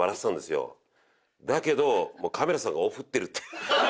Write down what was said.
だけどもうカメラさんがオフってるっていう。